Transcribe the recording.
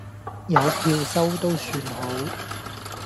有票收都算好